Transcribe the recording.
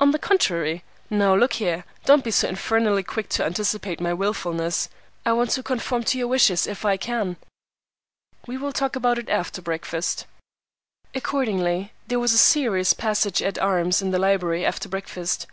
"On the contrary. Now, look here; don't be so infernally quick to anticipate my wilfulness. I want to conform to your wishes if I can. Que faire?" "We will talk about it after breakfast." Accordingly, there was a serious passage at arms in the library after breakfast.